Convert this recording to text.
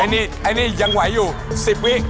อันนี้ยังไหวอยู่๑๐วิ